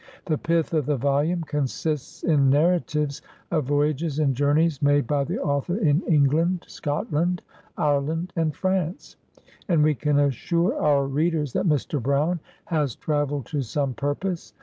The pith of the volume consists in narratives of voyages and journeys made by the author in Eng land, Scotland, Ireland and France ; and we can assure our readers that Mr. Brown has travelled to some pur pose.